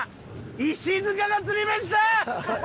石塚が釣りました！